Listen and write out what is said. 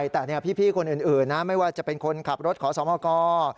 แต่พี่คนอื่นนะไม่ว่าจะเป็นคนขับรถขอสมก